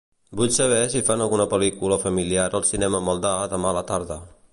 Vull saber si fan alguna pel·lícula familiar al Cinema Maldà demà a la tarda.